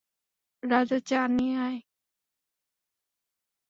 রাজা, চা নিয়ে আই।